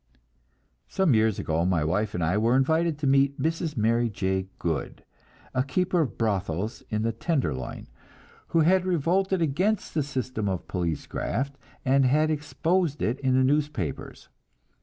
Some years ago my wife and I were invited to meet Mrs. Mary J. Goode, a keeper of brothels in the "Tenderloin," who had revolted against the system of police graft, and had exposed it in the newspapers.